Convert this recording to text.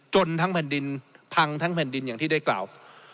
จนทั้งแผ่นดินพังทั้งแผ่นดินอย่างที่ได้กล่าว